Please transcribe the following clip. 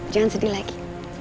jangan sedih lagi